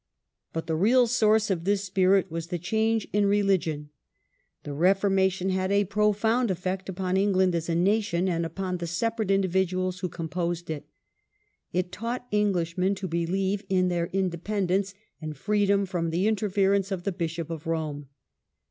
But the real source of this spirit was the change in religion. The Reformation had a profound effect upon The double England as a nation, and upon the separate effect of the individuals who composed it. It taught Eng Reformation. ligj^j^gn |.q believe in their independence and freedom from the interference of the " Bishop of Rome".